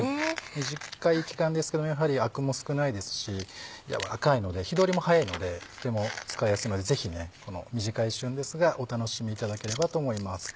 短い期間ですけどやはりアクも少ないですしやわらかいので火通りも早いのでとても使いやすいのでぜひこの短い旬ですがお楽しみいただければと思います。